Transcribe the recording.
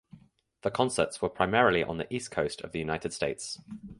The concerts were primarily on the East Coast of the United States.